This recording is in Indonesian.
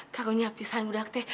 gak punya api salam udhak teh